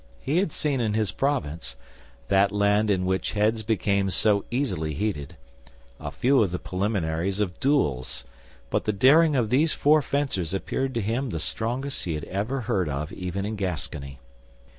He had seen in his province—that land in which heads become so easily heated—a few of the preliminaries of duels; but the daring of these four fencers appeared to him the strongest he had ever heard of even in Gascony.